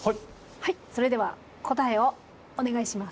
はいそれでは答えをお願いします。